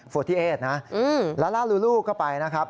ลาลาลูลูก็ไปนะครับ